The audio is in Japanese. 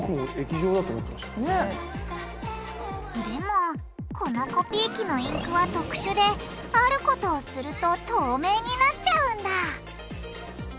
でもこのコピー機のインクは特殊であることをすると透明になっちゃうんだ！